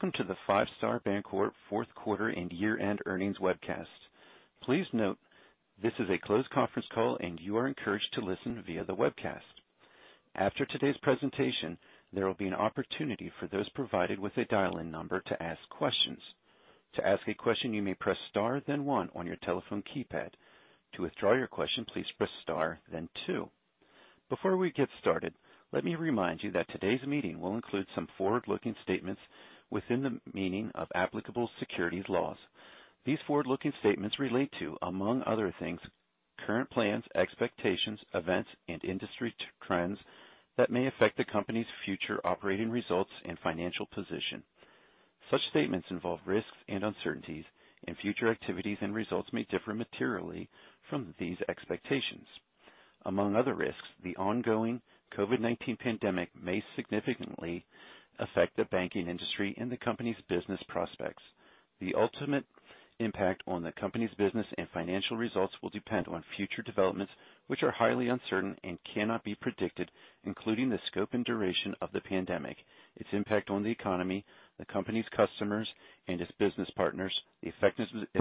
Welcome to the Five Star Bancorp Q4 and year-end earnings webcast. Please note this is a closed conference call and you are encouraged to listen via the webcast. After today's presentation, there will be an opportunity for those provided with a dial-in number to ask questions. To ask a question, you may press star then one on your telephone keypad. To withdraw your question, please press star then two. Before we get started, let me remind you that today's meeting will include some forward-looking statements within the meaning of applicable securities laws. These forward-looking statements relate to, among other things, current plans, expectations, events, and industry trends that may affect the company's future operating results and financial position. Such statements involve risks and uncertainties, and future activities and results may differ materially from these expectations. Among other risks, the ongoing COVID-19 pandemic may significantly affect the banking industry and the company's business prospects. The ultimate impact on the company's business and financial results will depend on future developments, which are highly uncertain and cannot be predicted, including the scope and duration of the pandemic, its impact on the economy, the company's customers and its business partners, the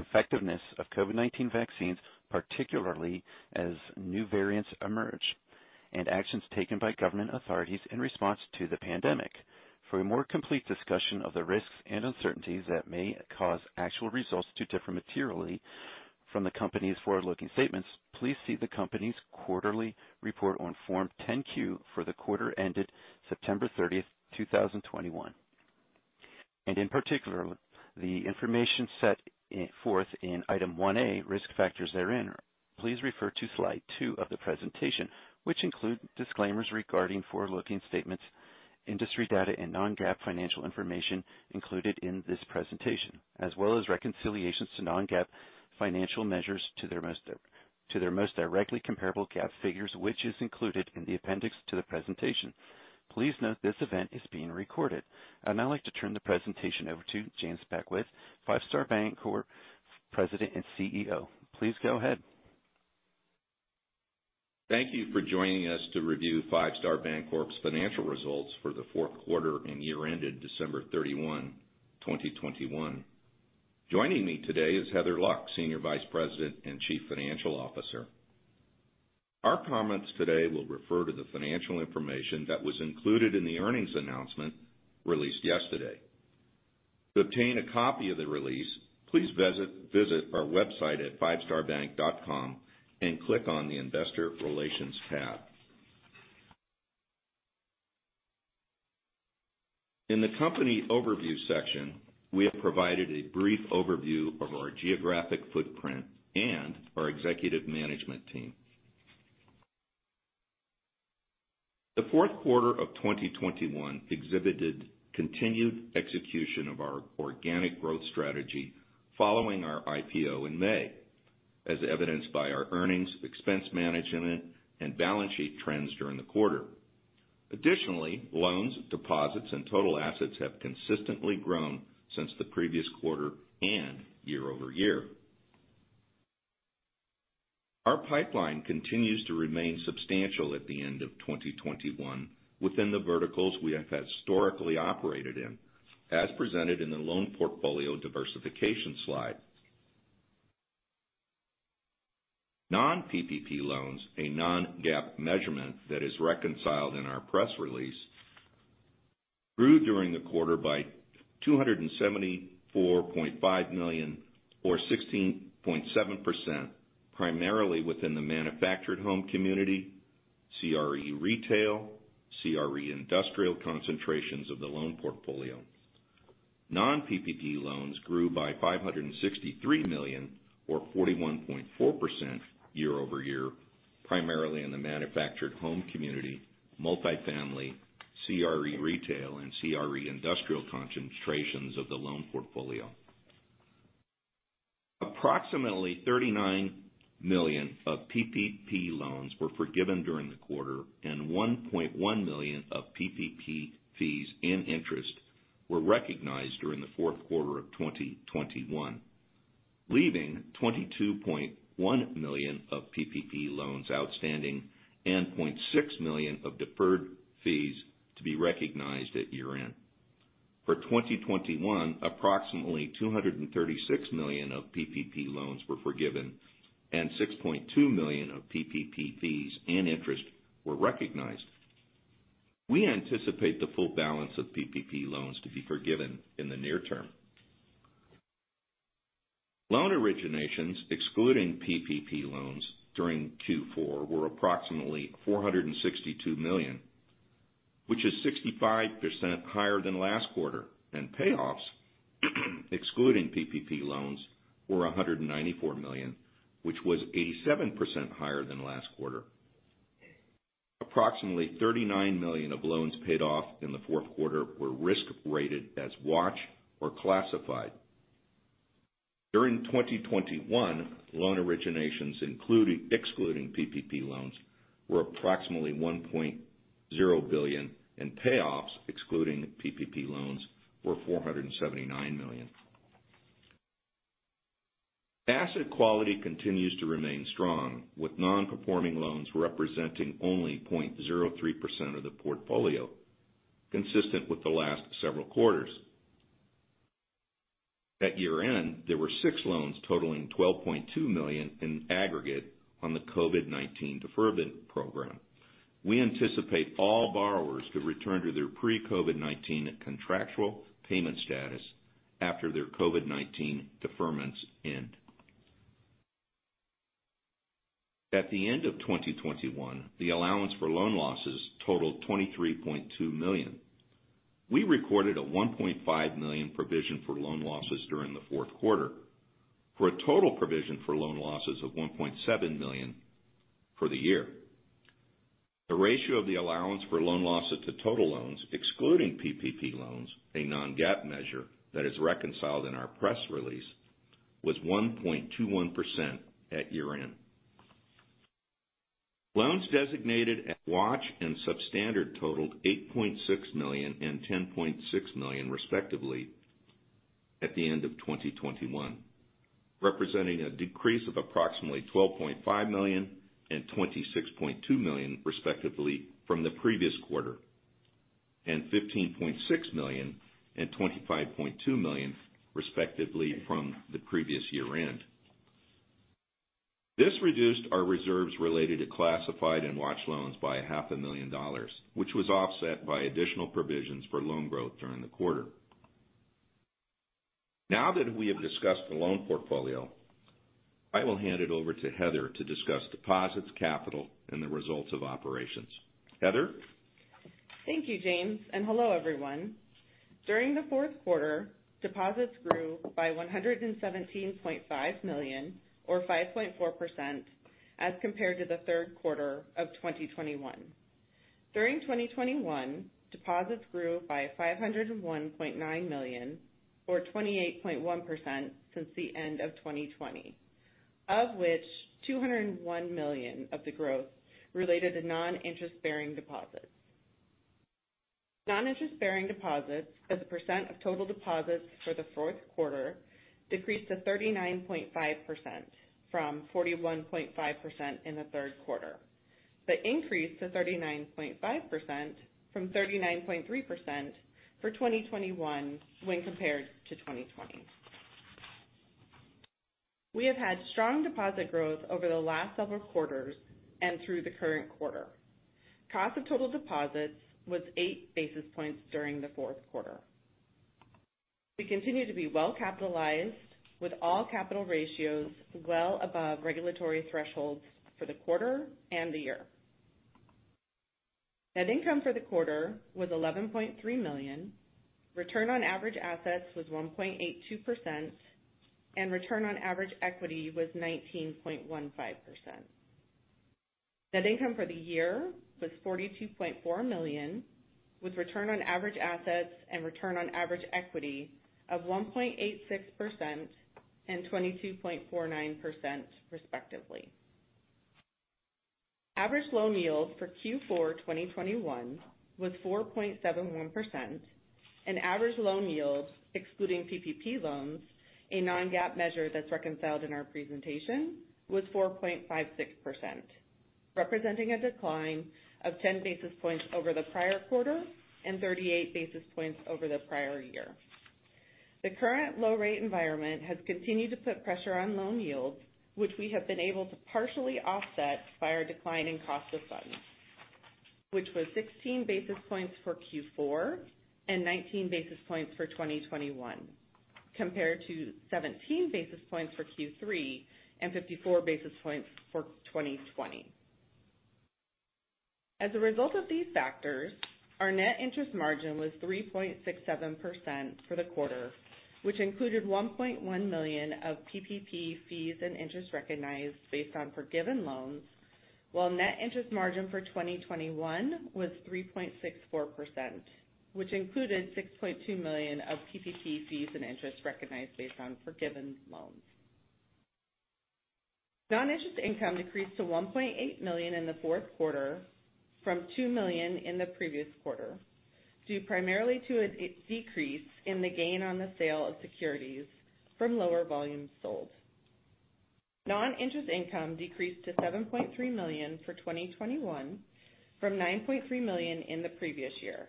effectiveness of COVID-19 vaccines, particularly as new variants emerge, and actions taken by government authorities in response to the pandemic. For a more complete discussion of the risks and uncertainties that may cause actual results to differ materially from the company's forward-looking statements, please see the company's quarterly report on Form 10-Q for the quarter ended September 30, 2021. In particular, the information set forth in Item 1A, Risk Factors therein. Please refer to slide two of the presentation, which include disclaimers regarding forward-looking statements, industry data, and non-GAAP financial information included in this presentation, as well as reconciliations to non-GAAP financial measures to their most directly comparable GAAP figures, which is included in the appendix to the presentation. Please note this event is being recorded. I'd now like to turn the presentation over to James Beckwith, Five Star Bancorp President and CEO. Please go ahead. Thank you for joining us to review Five Star Bancorp's financial results for the fourth quarter and year ended December 31, 2021. Joining me today is Heather Luck, Executive Vice President and Chief Financial Officer. Our comments today will refer to the financial information that was included in the earnings announcement released yesterday. To obtain a copy of the release, please visit our website at fivestarbank.com and click on the Investor Relations tab. In the company overview section, we have provided a brief overview of our geographic footprint and our executive management team. The fourth quarter of 2021 exhibited continued execution of our organic growth strategy following our IPO in May, as evidenced by our earnings, expense management, and balance sheet trends during the quarter. Additionally, loans, deposits, and total assets have consistently grown since the previous quarter and year-over-year. Our pipeline continues to remain substantial at the end of 2021 within the verticals we have historically operated in, as presented in the loan portfolio diversification slide. Non-PPP loans, a non-GAAP measurement that is reconciled in our press release, grew during the quarter by $274.5 million or 16.7%, primarily within the manufactured home community, CRE retail, CRE industrial concentrations of the loan portfolio. Non-PPP loans grew by $563 million or 41.4% year-over-year, primarily in the manufactured home community, multifamily, CRE retail, and CRE industrial concentrations of the loan portfolio. Approximately $39 million of PPP loans were forgiven during the quarter, and $1.1 million of PPP fees and interest were recognized during the fourth quarter of 2021, leaving $22.1 million of PPP loans outstanding and $0.6 million of deferred fees to be recognized at year-end. For 2021, approximately $236 million of PPP loans were forgiven and $6.2 million of PPP fees and interest were recognized. We anticipate the full balance of PPP loans to be forgiven in the near term. Loan originations excluding PPP loans during Q4 were approximately $462 million, which is 65% higher than last quarter, and payoffs excluding PPP loans were $194 million, which was 87% higher than last quarter. Approximately $39 million of loans paid off in the Q4 were risk rated as watch or classified. During 2021, loan originations excluding PPP loans were approximately $1.0 billion, and payoffs excluding PPP loans were $479 million. Asset quality continues to remain strong, with non-performing loans representing only 0.03% of the portfolio, consistent with the last several quarters. At year-end, there were six loans totaling $12.2 million in aggregate on the COVID-19 deferment program. We anticipate all borrowers to return to their pre-COVID-19 contractual payment status after their COVID-19 deferments end. At the end of 2021, the allowance for loan losses totaled $23.2 million. We recorded a $1.5 million provision for loan losses during the Q4 for a total provision for loan losses of $1.7 million for the year. The ratio of the allowance for loan losses to total loans, excluding PPP loans, a non-GAAP measure that is reconciled in our press release, was 1.21% at year-end. Loans designated at Watch and Substandard totaled $8.6 million and $10.6 million, respectively, at the end of 2021, representing a decrease of approximately $12.5 million and $26.2 million, respectively, from the previous quarter, and $15.6 million and $25.2 million, respectively, from the previous year-end. This reduced our reserves related to classified and watched loans by half a million dollars, which was offset by additional provisions for loan growth during the quarter. Now that we have discussed the loan portfolio, I will hand it over to Heather to discuss deposits, capital, and the results of operations. Heather? Thank you, James, and hello, everyone. During the Q4, deposits grew by $117.5 million or 5.4% as compared to the Q3 of 2021. During 2021, deposits grew by $501.9 million or 28.1% since the end of 2020, of which $201 million of the growth related to non-interest-bearing deposits. Non-interest-bearing deposits as a percent of total deposits for the Q4 decreased to 39.5% from 41.5% in the Q3, but increased to 39.5% from 39.3% for 2021 when compared to 2020. We have had strong deposit growth over the last several quarters and through the current quarter. Cost of total deposits was 8 basis points during the Q4. We continue to be well-capitalized with all capital ratios well above regulatory thresholds for the quarter and the year. Net income for the quarter was $11.3 million. Return on average assets was 1.82%, and return on average equity was 19.15%. Net income for the year was $42.4 million, with return on average assets and return on average equity of 1.86% and 22.49%, respectively. Average loan yields for Q4 2021 was 4.71%, and average loan yields excluding PPP loans, a non-GAAP measure that's reconciled in our presentation, was 4.56%, representing a decline of 10 basis points over the prior quarter and 38 basis points over the prior year. The current low-rate environment has continued to put pressure on loan yields, which we have been able to partially offset by our decline in cost of funds, which was 16 basis points for Q4 and 19 basis points for 2021, compared to 17 basis points for Q3 and 54 basis points for 2020. As a result of these factors, our net interest margin was 3.67% for the quarter, which included $1.1 million of PPP fees and interest recognized based on forgiven loans, while net interest margin for 2021 was 3.64%, which included $6.2 million of PPP fees and interest recognized based on forgiven loans. Non-interest income decreased to $1.8 million in the fourth quarter from $2 million in the previous quarter, due primarily to a decrease in the gain on the sale of securities from lower volumes sold. Non-interest income decreased to $7.3 million for 2021 from $9.3 million in the previous year,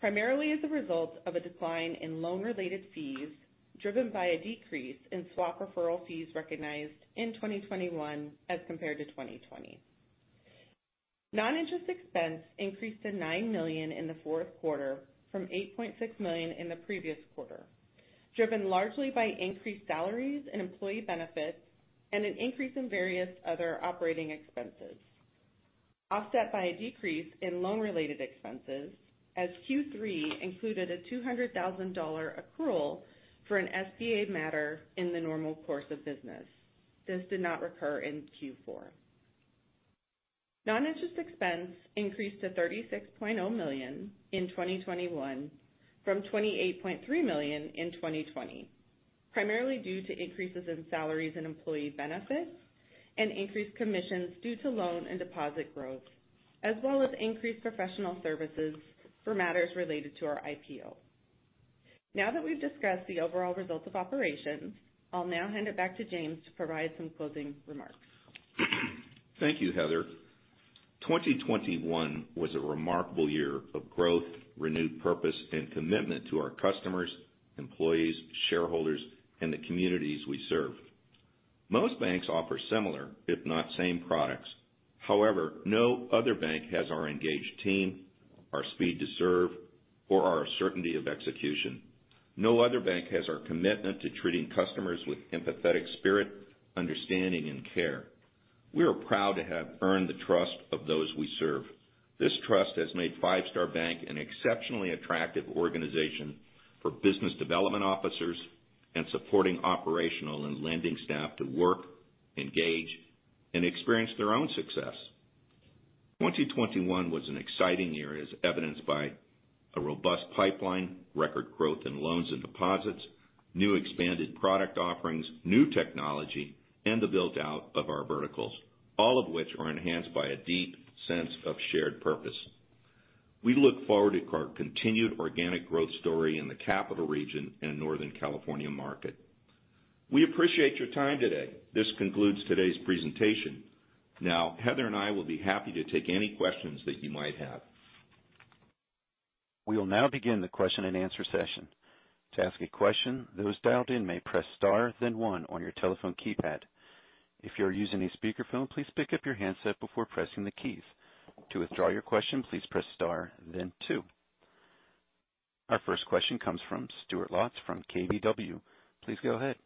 primarily as a result of a decline in loan-related fees, driven by a decrease in swap referral fees recognized in 2021 as compared to 2020. Non-interest expense increased to $9 million in the Q4 from $8.6 million in the previous quarter, driven largely by increased salaries and employee benefits and an increase in various other operating expenses, offset by a decrease in loan-related expenses as Q3 included a $200,000 accrual for an SBA matter in the normal course of business. This did not recur in Q4. Non-interest expense increased to $36.0 million in 2021 from $28.3 million in 2020, primarily due to increases in salaries and employee benefits and increased commissions due to loan and deposit growth, as well as increased professional services for matters related to our IPO. Now that we've discussed the overall results of operations, I'll now hand it back to James to provide some closing remarks. Thank you, Heather. 2021 was a remarkable year of growth, renewed purpose, and commitment to our customers, employees, shareholders, and the communities we serve. Most banks offer similar, if not same, products. However, no other bank has our engaged team, our speed to serve, or our certainty of execution. No other bank has our commitment to treating customers with empathetic spirit, understanding, and care. We are proud to have earned the trust of those we serve. This trust has made Five Star Bank an exceptionally attractive organization for business development officers and supporting operational and lending staff to work, engage, and experience their own success. 2021 was an exciting year as evidenced by a robust pipeline, record growth in loans and deposits, new expanded product offerings, new technology, and the build-out of our verticals, all of which are enhanced by a deep sense of shared purpose. We look forward to our continued organic growth story in the capital region and Northern California market. We appreciate your time today. This concludes today's presentation. Now, Heather and I will be happy to take any questions that you might have. We will now begin the question-and-answer session. To ask a question, those dialed in may press star then one on your telephone keypad. If you're using a speakerphone, please pick up your handset before pressing the keys. To withdraw your question, please press star then two. Our first question comes from Woody Lay from KBW. Please go ahead.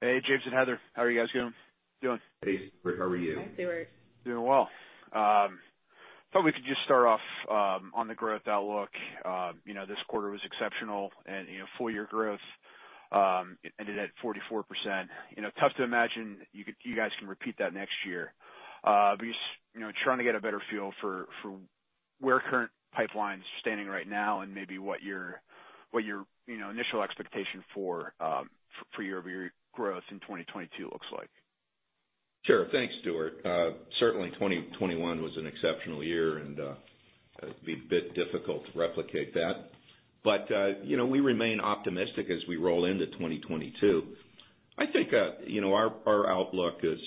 Hey, James and Heather. How are you guys doing? Hey, Woody. How are you? Hi, Woody. Doing well. Thought we could just start off on the growth outlook. You know, this quarter was exceptional and, you know, full year growth ended at 44%. You know, tough to imagine you guys can repeat that next year. You know, trying to get a better feel for where current pipeline is standing right now and maybe what your initial expectation for year-over-year growth in 2022 looks like. Sure. Thanks, Stuart. Certainly 2021 was an exceptional year, and it'd be a bit difficult to replicate that. We remain optimistic as we roll into 2022. I think our outlook is,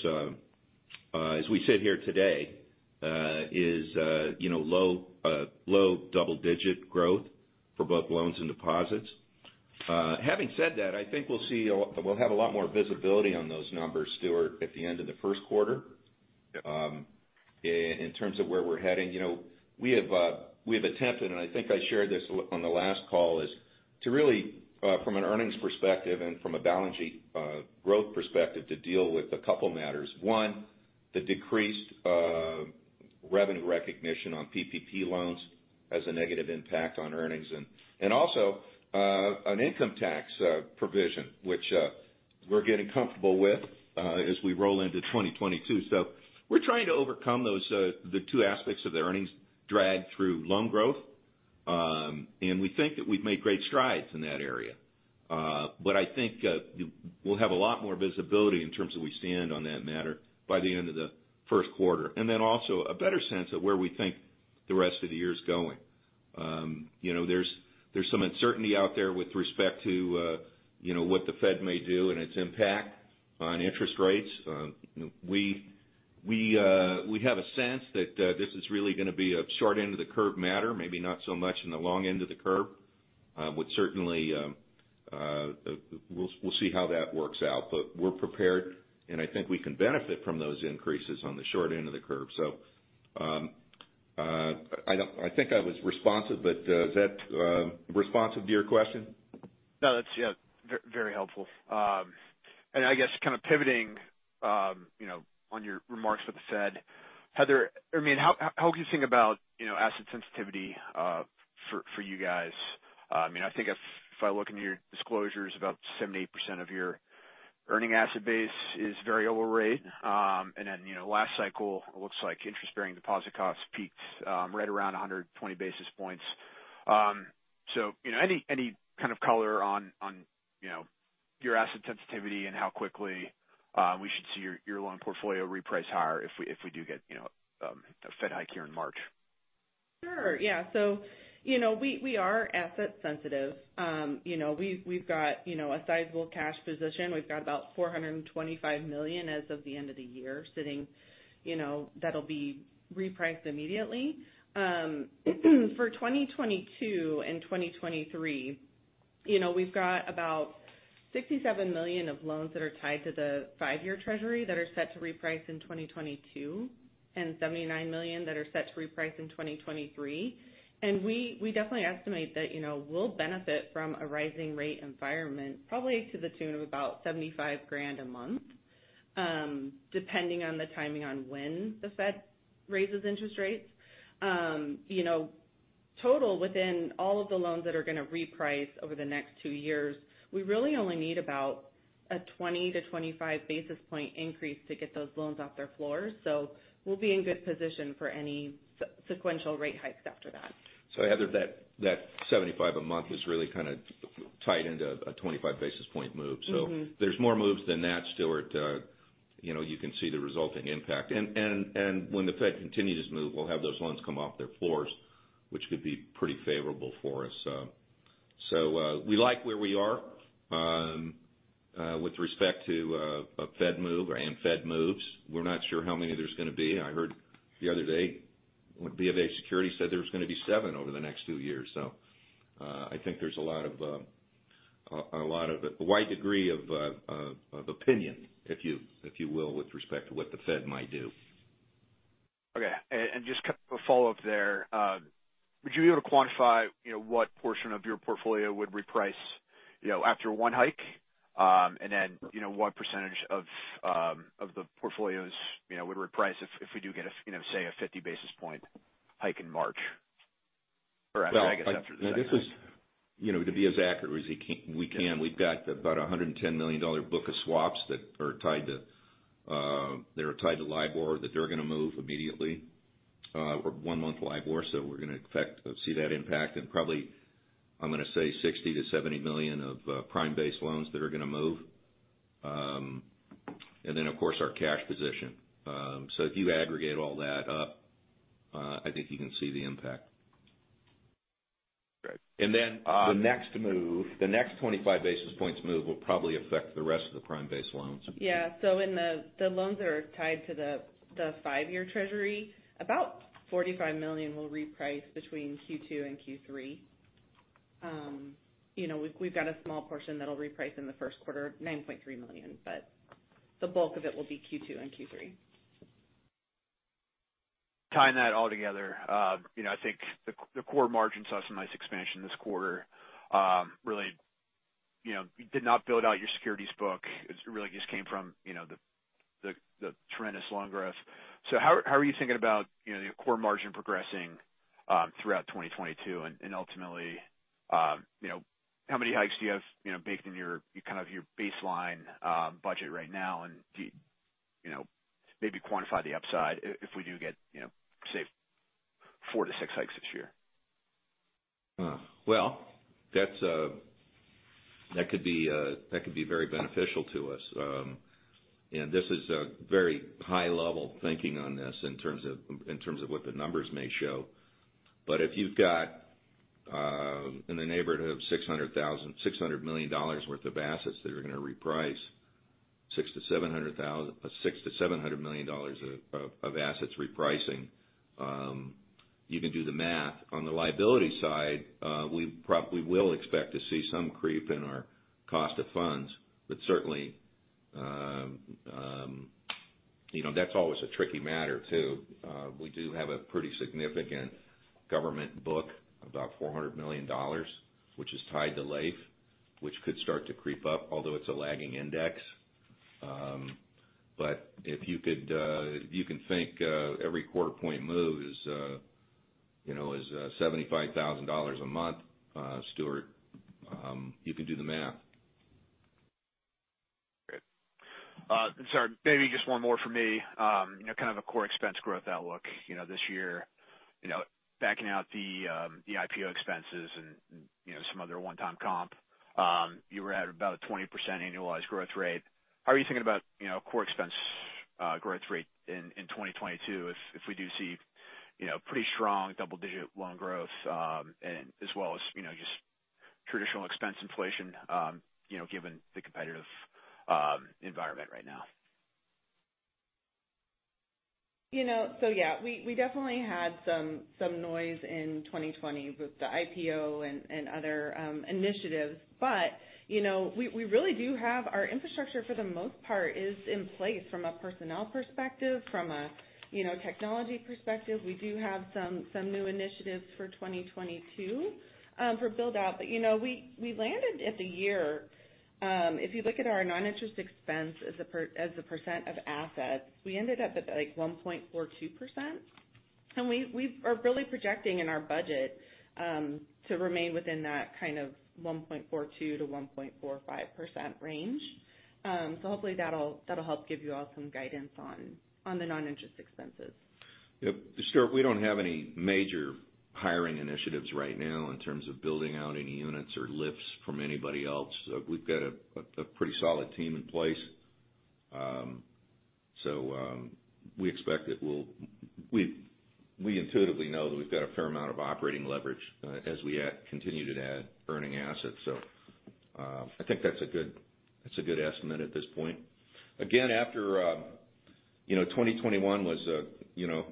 as we sit here today, low double-digit growth for both loans and deposits. Having said that, I think we'll have a lot more visibility on those numbers, Stuart, at the end of the first quarter. In terms of where we're heading, you know, we have attempted, and I think I shared this on the last call, to really, from an earnings perspective and from a balance sheet growth perspective, to deal with a couple matters. One, the decreased revenue recognition on PPP loans has a negative impact on earnings and also an income tax provision, which we're getting comfortable with as we roll into 2022. We're trying to overcome those two aspects of the earnings drag through loan growth. We think that we've made great strides in that area. I think we'll have a lot more visibility in terms of where we stand on that matter by the end of the first quarter, and then also a better sense of where we think the rest of the year's going. You know, there's some uncertainty out there with respect to you know what the Fed may do and its impact on interest rates. We have a sense that this is really gonna be a short end of the curve matter, maybe not so much in the long end of the curve. Certainly, we'll see how that works out. We're prepared, and I think we can benefit from those increases on the short end of the curve. I think I was responsive, but is that responsive to your question? No, that's, yeah, very helpful. I guess kind of pivoting, you know, on your remarks with the Fed, Heather, I mean, how are you thinking about, you know, asset sensitivity, for you guys? I mean, I think if I look into your disclosures, about 78% of your earning asset base is variable rate. Then, you know, last cycle, it looks like interest-bearing deposit costs peaked, right around 120 basis points. You know, any kind of color on, you know, your asset sensitivity and how quickly, we should see your loan portfolio reprice higher if we do get, you know, a Fed hike here in March? Sure. Yeah. You know, we are asset sensitive. You know, we've got a sizable cash position. We've got about $425 million as of the end of the year sitting, you know, that'll be repriced immediately. For 2022 and 2023, you know, we've got about $67 million of loans that are tied to the five-year Treasury that are set to reprice in 2022 and $79 million that are set to reprice in 2023. We definitely estimate that, you know, we'll benefit from a rising rate environment, probably to the tune of about $75,000 a month, depending on the timing on when the Fed raises interest rates. You know, total within all of the loans that are gonna reprice over the next two years, we really only need about a 20-25 basis point increase to get those loans off their floors. We'll be in good position for any sequential rate hikes after that. Heather, that $75 a month is really kind of tied into a 25 basis point move. Mm-hmm. There's more moves than that, Woody Lay. You know, you can see the resulting impact. When the Fed continues to move, we'll have those loans come off their floors, which could be pretty favorable for us. We like where we are. With respect to a Fed move or Fed moves, we're not sure how many there's gonna be. I heard the other day, BofA Securities said there's gonna be seven over the next two years. I think there's a lot of a wide degree of opinion, if you will, with respect to what the Fed might do. Okay. Just kind of a follow-up there. Would you be able to quantify, you know, what portion of your portfolio would reprice, you know, after one hike? Then, you know, what percentage of the portfolios, you know, would reprice if we do get, you know, say, a 50 basis point hike in March? Or I guess after the next one. Well, this is, you know, to be as accurate as we can, we've got about $110 million book of swaps that are tied to LIBOR that they're gonna move immediately. One-month LIBOR, so we're gonna see that impact and probably, I'm gonna say $60 million-$70 million of prime-based loans that are gonna move. Then, of course, our cash position. If you aggregate all that up, I think you can see the impact. Great. The next 25 basis points move will probably affect the rest of the prime-based loans. Yeah. The loans that are tied to the five-year Treasury, about $45 million will reprice between Q2 and Q3. You know, we've got a small portion that'll reprice in the first quarter, $9.3 million. The bulk of it will be Q2 and Q3. Tying that all together, you know, I think the core margin saw some nice expansion this quarter. Really, you know, you did not build out your securities book. It really just came from, you know, the tremendous loan growth. How are you thinking about, you know, your core margin progressing throughout 2022? Ultimately, you know, how many hikes do you have, you know, baked in your kind of baseline budget right now? Do you know, maybe quantify the upside if we do get, you know, say, 4-6 hikes this year? Well, that could be very beneficial to us. This is a very high-level thinking on this in terms of what the numbers may show. If you've got in the neighborhood of $600 million worth of assets that are gonna reprice, $600 million-$700 million of assets repricing, you can do the math. On the liability side, we probably will expect to see some creep in our cost of funds. Certainly, you know, that's always a tricky matter too. We do have a pretty significant government book, about $400 million, which is tied to LAIF, which could start to creep up, although it's a lagging index. If you can think, every quarter point move is, you know, $75,000 a month, Woody, you can do the math. Great. Sorry, maybe just one more from me. You know, kind of a core expense growth outlook. You know, this year, you know, backing out the IPO expenses and you know, some other one-time comp, you were at about a 20% annualized growth rate. How are you thinking about, you know, core expense growth rate in 2022 if we do see, you know, pretty strong double-digit loan growth and as well as, you know, just traditional expense inflation, you know, given the competitive environment right now? You know, yeah, we definitely had some noise in 2020 with the IPO and other initiatives. You know, we really do have our infrastructure for the most part is in place from a personnel perspective, from a you know, technology perspective. We do have some new initiatives for 2022 for build-out. You know, we ended the year. If you look at our non-interest expense as a percent of assets, we ended up at, like, 1.42%. We are really projecting in our budget to remain within that kind of 1.42%-1.45% range. Hopefully that'll help give you all some guidance on the non-interest expenses. Yep. Stuart, we don't have any major hiring initiatives right now in terms of building out any units or lifts from anybody else. We've got a pretty solid team in place. We intuitively know that we've got a fair amount of operating leverage as we continue to add earning assets. I think that's a good estimate at this point. Again, after you know, 2021 was a you know,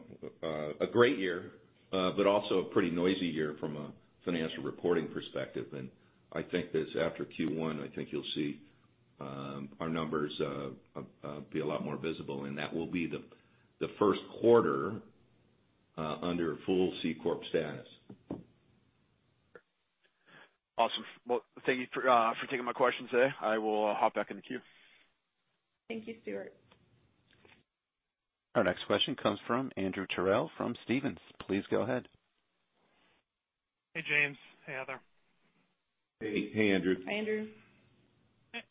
a great year, but also a pretty noisy year from a financial reporting perspective. I think that after Q1, you'll see our numbers be a lot more visible, and that will be the first quarter under full C corp status. Awesome. Well, thank you for taking my questions today. I will hop back in the queue. Thank you, Woody Lay. Our next question comes from Andrew Terrell from Stephens. Please go ahead. Hey, James. Hey, Heather. Hey. Hey, Andrew. Hi, Andrew.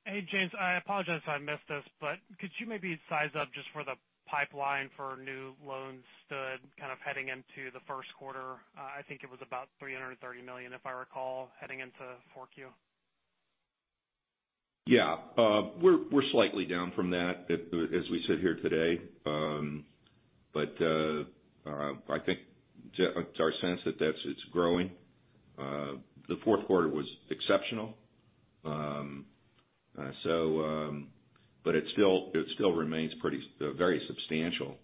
Hey, James, I apologize if I missed this, but could you maybe size up just where the pipeline for new loans stood kind of heading into the first quarter? I think it was about $330 million, if I recall, heading into 4Q. Yeah. We're slightly down from that, as we sit here today. But I think our sense that it's growing. The fourth quarter was exceptional. But it still remains very substantial.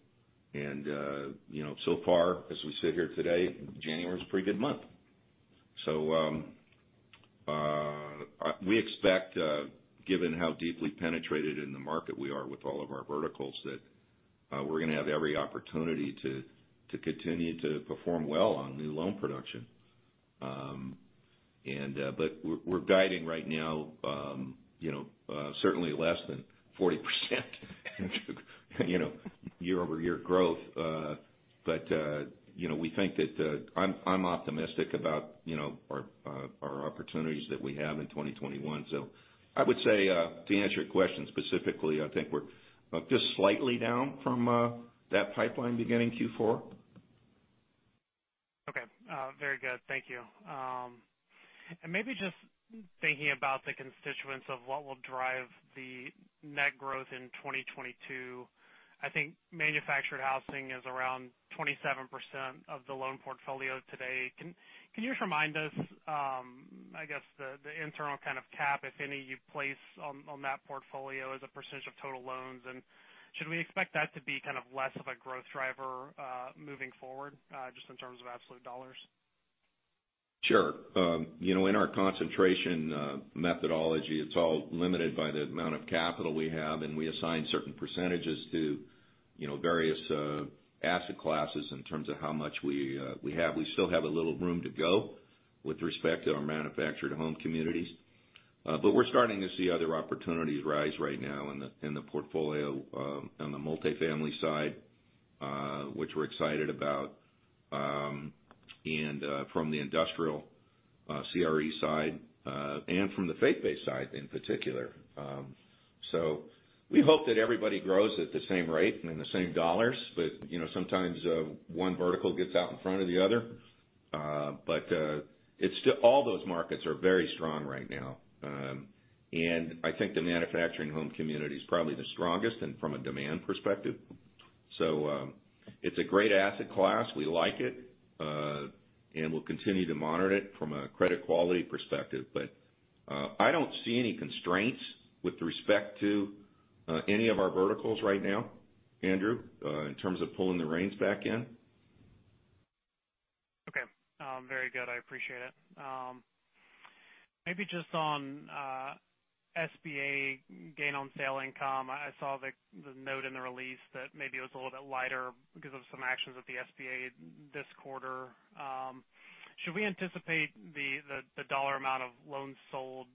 You know, so far, as we sit here today, January's a pretty good month. We expect, given how deeply penetrated in the market we are with all of our verticals, that we're gonna have every opportunity to continue to perform well on new loan production. We're guiding right now, you know, certainly less than 40% you know, year-over-year growth. You know, we think that I'm optimistic about, you know, our opportunities that we have in 2021. I would say, to answer your question specifically, I think we're just slightly down from that pipeline beginning Q4. Okay. Very good. Thank you. Maybe just thinking about the constituents of what will drive the net growth in 2022. I think manufactured housing is around 27% of the loan portfolio today. Can you just remind us, I guess, the internal kind of cap, if any, you place on that portfolio as a percentage of total loans? Should we expect that to be kind of less of a growth driver moving forward, just in terms of absolute dollars? Sure. You know, in our concentration methodology, it's all limited by the amount of capital we have, and we assign certain percentages to, you know, various, asset classes in terms of how much we have. We still have a little room to go with respect to our manufactured home communities. We're starting to see other opportunities rise right now in the portfolio, on the multifamily side, which we're excited about, and from the industrial CRE side, and from the faith-based side in particular. We hope that everybody grows at the same rate and in the same dollars. You know, sometimes, one vertical gets out in front of the other. All those markets are very strong right now. I think the manufactured home community is probably the strongest and from a demand perspective. It's a great asset class. We like it, and we'll continue to monitor it from a credit quality perspective. I don't see any constraints with respect to any of our verticals right now, Andrew, in terms of pulling the reins back in. Okay. Very good. I appreciate it. Maybe just on SBA gain on sale income. I saw the note in the release that maybe it was a little bit lighter because of some actions with the SBA this quarter. Should we anticipate the dollar amount of loans sold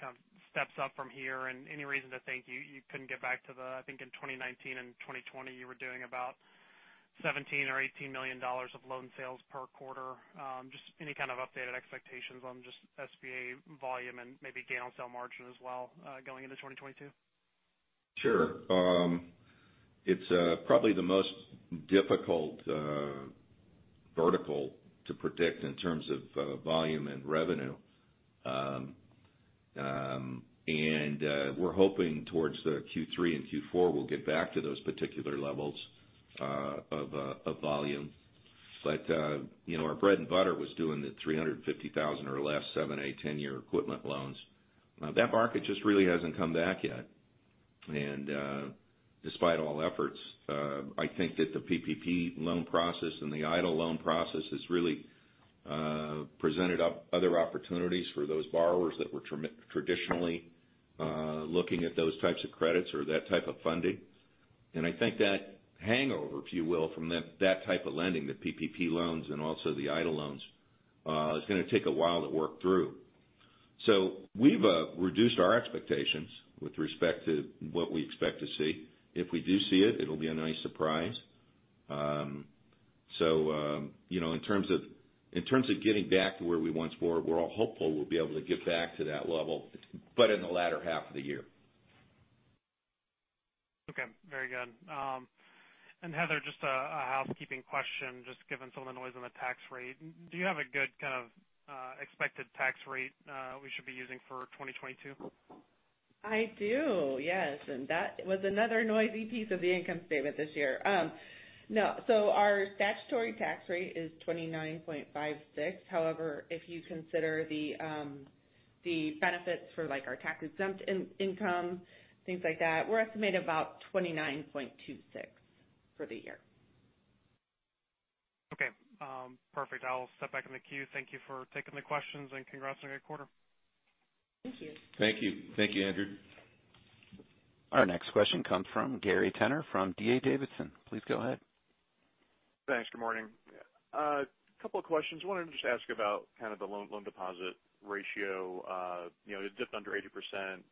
kind of steps up from here? Any reason to think you couldn't get back to the, I think in 2019 and 2020, you were doing about $17 million or $18 million of loan sales per quarter. Just any kind of updated expectations on just SBA volume and maybe gain on sale margin as well, going into 2022? Sure. It's probably the most difficult vertical to predict in terms of volume and revenue. We're hoping towards the Q3 and Q4, we'll get back to those particular levels of volume. You know, our bread and butter was doing the 350,000 or less 7-, 8-, 10-year equipment loans. That market just really hasn't come back yet. Despite all efforts, I think that the PPP loan process and the EIDL loan process has really presented other opportunities for those borrowers that were traditionally looking at those types of credits or that type of funding. I think that hangover, if you will, from that type of lending, the PPP loans and also the EIDL loans is gonna take a while to work through. We've reduced our expectations with respect to what we expect to see. If we do see it'll be a nice surprise. You know, in terms of getting back to where we once were, we're all hopeful we'll be able to get back to that level, but in the latter half of the year. Okay. Very good. Heather, just a housekeeping question, just given some of the noise on the tax rate. Do you have a good kind of expected tax rate we should be using for 2022? I do, yes. That was another noisy piece of the income statement this year. No. Our statutory tax rate is 29.56%. However, if you consider the benefits for like our tax-exempt income, things like that, we're estimating about 29.26% for the year. Okay. Perfect. I'll step back in the queue. Thank you for taking the questions and congrats on a great quarter. Thank you. Thank you. Thank you, Andrew. Our next question comes from Gary Tenner from D.A. Davidson. Please go ahead. Thanks. Good morning. A couple of questions. Wanted to just ask about kind of the loan deposit ratio. You know, it dipped under 80%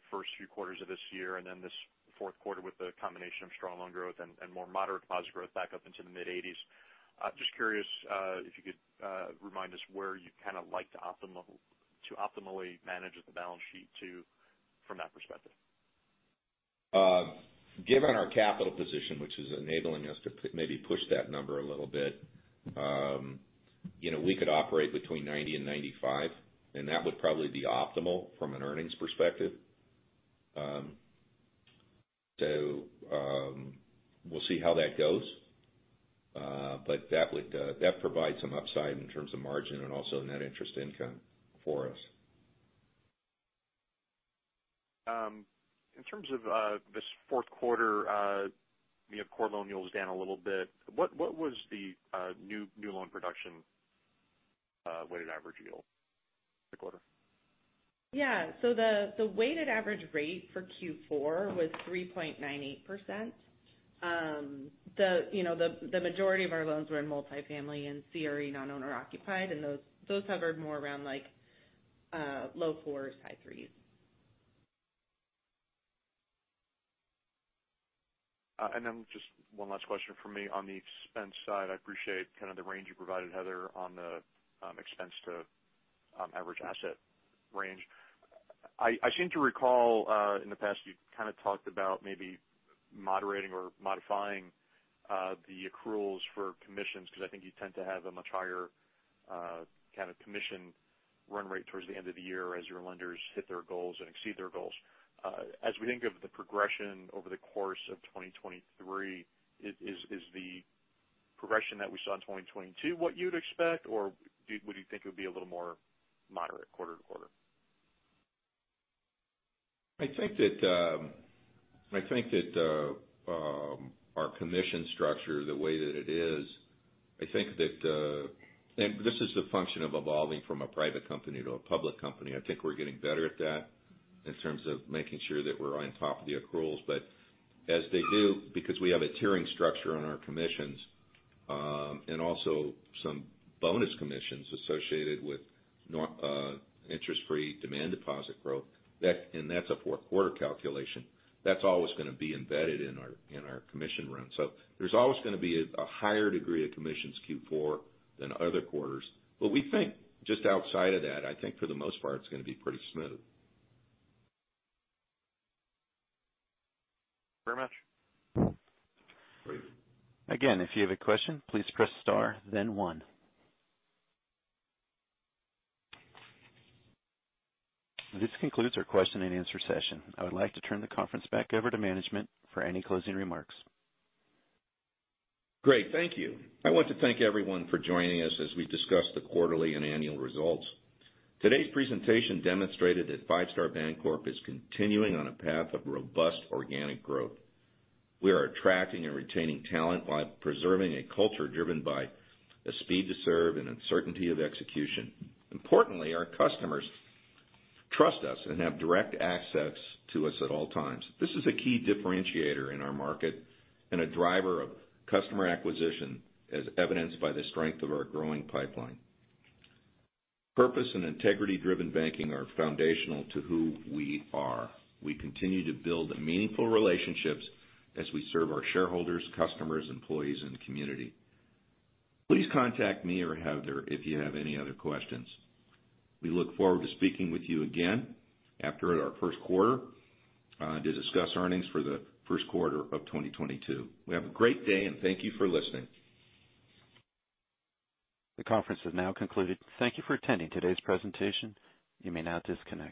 first few quarters of this year, and then this fourth quarter with the combination of strong loan growth and more moderate deposit growth back up into the mid-80s. Just curious, if you could remind us where you kind of like to optimal level to optimally manage the balance sheet to from that perspective. Given our capital position, which is enabling us to maybe push that number a little bit, you know, we could operate between 90% and 95%, and that would probably be optimal from an earnings perspective. We'll see how that goes. That provides some upside in terms of margin and also net interest income for us. In terms of this fourth quarter, you know, core loan yield was down a little bit. What was the new loan production weighted average yield for the quarter? The weighted average rate for Q4 was 3.98%. The you know, the majority of our loans were in multifamily and CRE non-owner occupied, and those hovered more around low 4s, high 3s. Just one last question from me. On the expense side, I appreciate kind of the range you provided, Heather, on the expense to average asset range. I seem to recall in the past you kind of talked about maybe moderating or modifying the accruals for commissions because I think you tend to have a much higher kind of commission run rate towards the end of the year as your lenders hit their goals and exceed their goals. As we think of the progression over the course of 2023, is the progression that we saw in 2022 what you'd expect, or would you think it would be a little more moderate quarter to quarter? I think that our commission structure, the way that it is, and this is the function of evolving from a private company to a public company. I think we're getting better at that in terms of making sure that we're on top of the accruals. As they do, because we have a tiering structure on our commissions, and also some bonus commissions associated with interest-free demand deposit growth, and that's a fourth quarter calculation. That's always gonna be embedded in our commission run. There's always gonna be a higher degree of commissions Q4 than other quarters. We think just outside of that, for the most part, it's gonna be pretty smooth. Very much. Great. Again, if you have a question, please press star then one. This concludes our question and answer session. I would like to turn the conference back over to management for any closing remarks. Great. Thank you. I want to thank everyone for joining us as we discuss the quarterly and annual results. Today's presentation demonstrated that Five Star Bancorp is continuing on a path of robust organic growth. We are attracting and retaining talent while preserving a culture driven by a speed to serve and a certainty of execution. Importantly, our customers trust us and have direct access to us at all times. This is a key differentiator in our market and a driver of customer acquisition, as evidenced by the strength of our growing pipeline. Purpose and integrity-driven banking are foundational to who we are. We continue to build meaningful relationships as we serve our shareholders, customers, employees, and community. Please contact me or Heather if you have any other questions. We look forward to speaking with you again after our first quarter to discuss earnings for the first quarter of 2022. Have a great day, and thank you for listening. The conference has now concluded. Thank you for attending today's presentation. You may now disconnect.